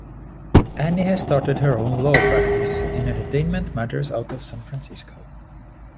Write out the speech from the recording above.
Annie has started her own law practice in entertainment matters out of San Francisco.